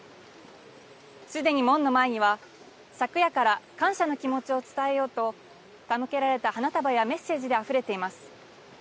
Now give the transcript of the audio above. すでに、門の前には昨夜から感謝の気持ちを伝えようと手向けられた花束やメッセージであふれています。